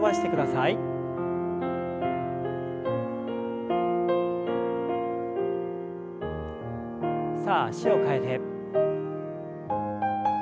さあ脚を替えて。